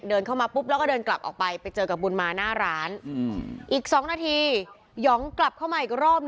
เดินเข้ามาปุ๊บแล้วก็เดินกลับออกไปไปเจอกับบุญมาหน้าร้าน